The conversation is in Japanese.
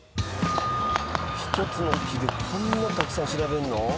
１つの木でこんなたくさん調べるの？